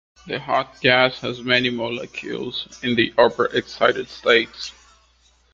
The hot gas has many molecules in the upper excited states.